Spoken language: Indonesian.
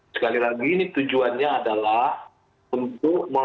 sekali lagi ini tujuannya adalah untuk